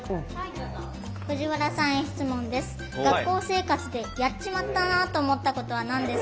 藤原さんへ質問です。